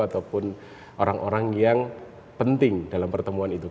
ataupun orang orang yang penting dalam perjalanan meksiko